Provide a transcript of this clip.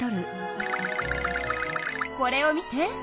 これを見て。